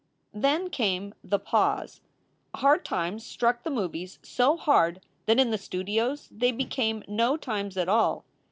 Then came The Pause. Hard times struck the movies so hard that in the studios they became no times at all.